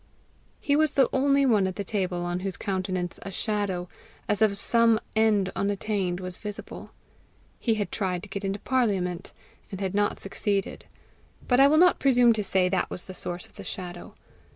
He was the only one at the table on whose countenance a shadow as of some end unattained was visible. He had tried to get into parliament, and had not succeeded; but I will not presume to say that was the source of the shadow.